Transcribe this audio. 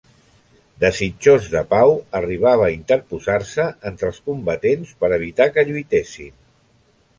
Desitjós de pau, arribava a interposar-se entre els combatents per evitar que lluitessin.